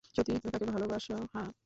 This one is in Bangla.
সত্যিই তাকে ভালোবাসো, হাহ?